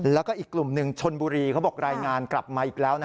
แล้วก็อีกกลุ่มหนึ่งชนบุรีเขาบอกรายงานกลับมาอีกแล้ว